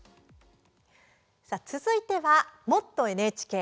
続いては「もっと、ＮＨＫ」。